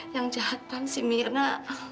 yang jahat kan si mirna